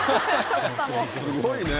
すごいね。